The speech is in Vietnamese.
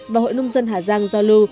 và hội nông dân hà giang giao lưu